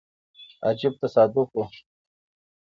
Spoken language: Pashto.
عجیب تصادف وو.